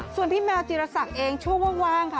ส่วนพี่แมวจีรศักดิ์เองช่วงว่างค่ะ